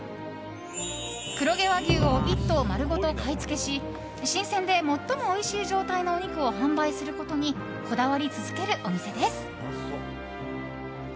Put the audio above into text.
黒毛和牛を１頭丸ごと買い付けし新鮮で最もおいしい状態のお肉を販売することにこだわり続けるお店です。